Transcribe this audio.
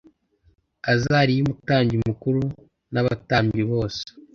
Azariya umutambyi mukuru n abatambyi bose